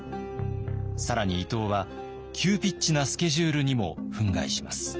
更に伊藤は急ピッチなスケジュールにも憤慨します。